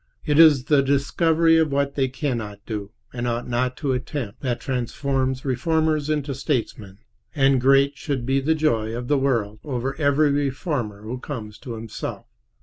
It is the discovery of what they can not do, and ought not to attempt, that transforms reformers into statesmen; and great should be the joy of the world over every reformer who comes to himself.